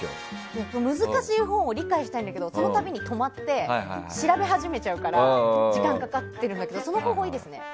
難しい本を理解したいけどそのたびに止まって調べ始めちゃうから時間がかかっているんだけどその方法、いいですね。